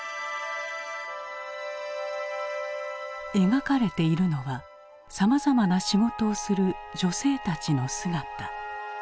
描かれているのはさまざまな仕事をする女性たちの姿。